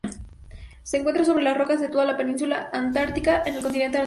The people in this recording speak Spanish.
Se encuentra sobre las rocas de toda la península Antártica, en el continente antártico.